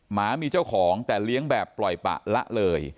หมามีเจ้าของแต่เลี้ยงแบบปล่อยปะละเลย